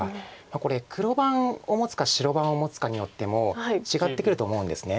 これ黒番を持つか白番を持つかによっても違ってくると思うんです。